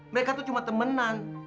mereka tuh cuma temenan